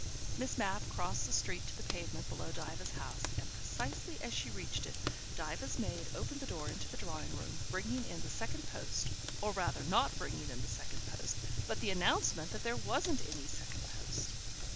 Miss Mapp crossed the street to the pavement below Diva's house, and precisely as she reached it, Diva's maid opened the door into the drawing room, bringing in the second post, or rather not bringing in the second post, but the announcement that there wasn't any second post.